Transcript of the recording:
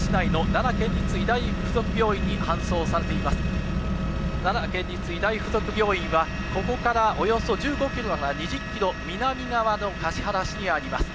奈良県立医大附属病院は、ここからおよそ１５キロから２０キロ南側の橿原市にあります。